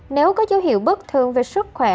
nếu có dấu hiệu bất thường về sức khỏe